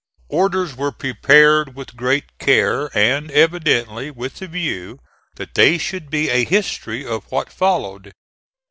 Orders were prepared with great care and evidently with the view that they should be a history of what followed.